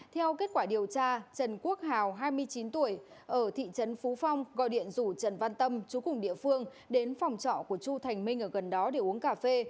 theo kết quả điều tra trần quốc hào hai mươi chín tuổi ở thị trấn phú phong gọi điện rủ trần văn tâm chú cùng địa phương đến phòng trọ của chu thành minh ở gần đó để uống cà phê